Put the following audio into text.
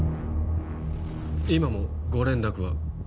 今もご連絡は？